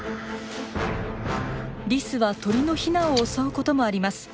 リスは鳥のヒナを襲うこともあります。